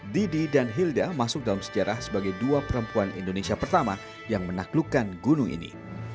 didi dan hilda masuk dalam sejarah sebagai dua perempuan indonesia pertama yang menaklukkan gunung ini